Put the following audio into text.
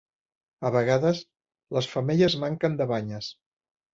A vegades, les femelles manquen de banyes.